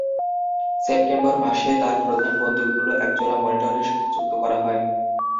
September মাসে তার প্রধান বন্দুকগুলো একজোড়া মনিটরের সাথে যুক্ত করা হয়।